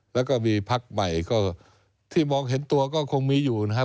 แล้วก็มีพักใหม่ก็ที่มองเห็นตัวก็คงมีอยู่นะครับ